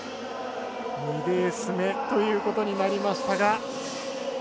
２レース目ということになりましたが。